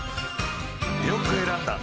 「よく選んだ！」